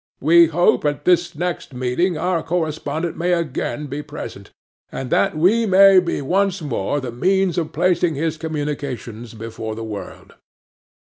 We hope at this next meeting our correspondent may again be present, and that we may be once more the means of placing his communications before the world.